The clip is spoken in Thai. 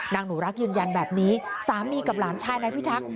นางหนูรักยืนยันแบบนี้กับหลานชายพี่ทัก